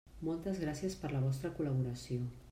Moltes gràcies per la vostra col·laboració.